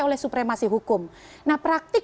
oleh supremasi hukum nah praktik